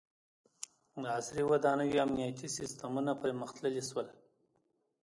• د عصري ودانیو امنیتي سیستمونه پرمختللي شول.